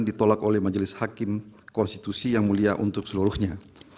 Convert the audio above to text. ditolak oleh majelis hakim konstitusi yang mulia untuk seluruhnya